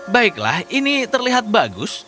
baiklah ini terlihat bagus